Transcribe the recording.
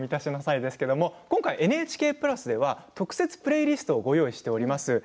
今回、ＮＨＫプラスでは特設プレイリストをご用意しています。